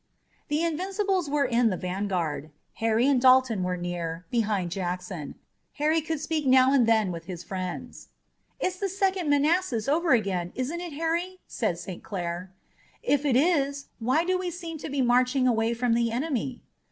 The Invincibles were in the vanguard. Harry and Dalton were near, behind Jackson. Harry could speak now and then with his friends. "It's the Second Manassas over again, isn't it, Harry?" said St. Clair. "If it is, why do we seem to be marching away from the enemy?"